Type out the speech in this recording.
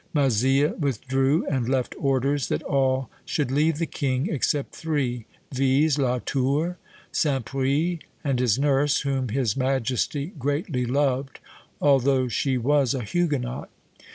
Mazzille withdrew, and left orders that all should leave the king except three, viz., La Tour, St. Pris, and his nurse, whom his majesty greatly loved, although she was a Huguenot.